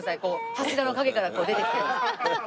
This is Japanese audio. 柱の陰からこう出てきて。